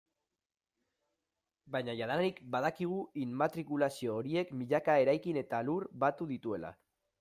Baina jadanik badakigu immatrikulazio horiek milaka eraikin eta lur batu dituela.